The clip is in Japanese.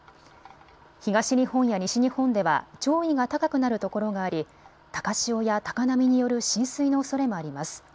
東日本や西日本では潮位が高くなるところがあり高潮や高波による浸水のおそれもあります。